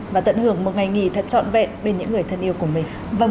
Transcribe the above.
và tận hưởng một ngày nghỉ thật trọn vẹn bên những người thân yêu của mình